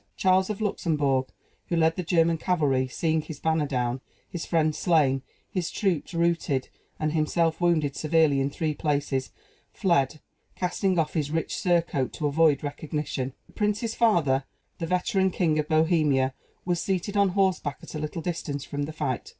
Charles of Luxembourg, who led the German cavalry, seeing his banner down, his friends slain, his troops routed, and himself wounded severely in three places, fled, casting off his rich surcoat, to avoid recognition. This prince's father, the veteran King of Bohemia, was seated on horseback at a little distance from the fight.